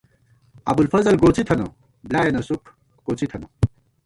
ابُوالفضل گوڅی تھنہ، بۡلیائینہ سُک کوڅی تھنہ